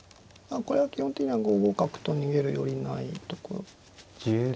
これは基本的には５五角と逃げるよりないところです。